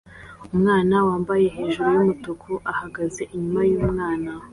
Umwana wambaye hejuru yumutuku ahagaze inyuma yumwana